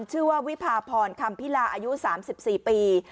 ชื่อว่าวิพาพรคำพิลาอายุ๓๔ปี